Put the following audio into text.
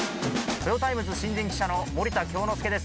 トヨタイムズ新人記者の森田京之介です。